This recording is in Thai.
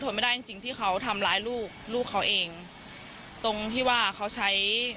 ไม่ได้จริงจริงที่เขาทำร้ายลูกลูกเขาเองตรงที่ว่าเขาใช้